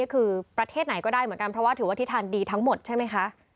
คือประเทศไหนก็ได้เหมือนกันเพราะว่าถือว่าทิศทางดีทั้งหมดใช่ไหมคะ